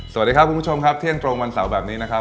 สวัสดีครับคุณผู้ชมครับเที่ยงตรงวันเสาร์แบบนี้นะครับ